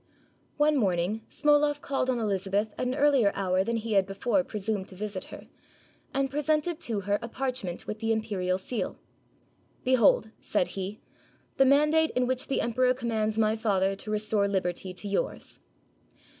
One morning Smoloff called on Elizabeth at an earlier hour than he had before presumed to visit her, and pre sented to her a parchment with the imperial seal. "Be hold," said he, "the mandate in which the emperor commands my father to restore liberty to yours."